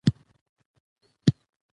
دې ژورنال په ادبي مطالعاتو ژور اغیز وکړ.